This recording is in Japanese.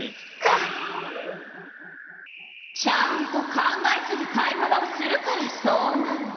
ちゃんと考えずに買い物をするからそうなるの！